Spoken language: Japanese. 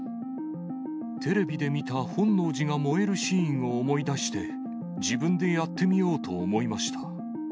テレビで見た本能寺が燃えるシーンを思い出して、自分でやってみようと思いました。